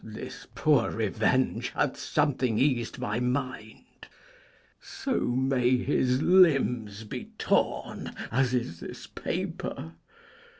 _ This poor revenge hath something eas'd my mind: So may his limbs be torn as is this paper!